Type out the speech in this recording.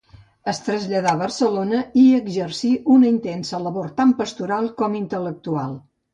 Es traslladà a Barcelona i hi exercí una intensa labor tant pastoral com intel·lectual.